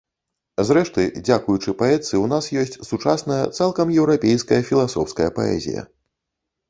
Зрэшты, дзякуючы паэтцы ў нас ёсць сучасная, цалкам еўрапейская філасофская паэзія.